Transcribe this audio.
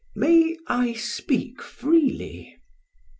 "May I speak freely?"